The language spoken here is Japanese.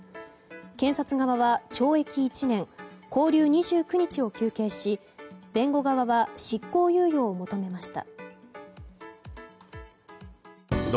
検察側は懲役１年、拘留２９日を求刑し弁護側は執行猶予を求めました。